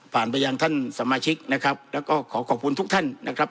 ไปยังท่านสมาชิกนะครับแล้วก็ขอขอบคุณทุกท่านนะครับ